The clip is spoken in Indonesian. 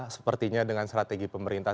sepertinya dengan strategi pemerintah